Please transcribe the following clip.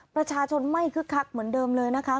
ประชาชนไม่คึกคักเหมือนเดิมเลยนะคะ